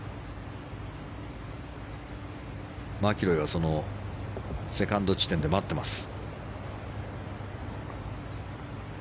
マキロイはセカンド地点で待ってます。